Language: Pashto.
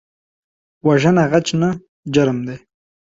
وژنه غچ نه، جرم دی